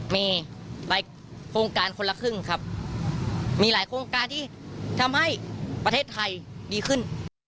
มีหลายโครงการคนละครึ่งครับมีหลายโครงการที่ทำให้ประเทศไทยดีขึ้น